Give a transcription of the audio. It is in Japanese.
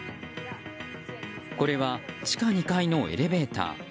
これは地下２階のエレベーター。